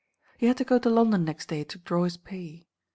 He had to go to London next day to draw his pay.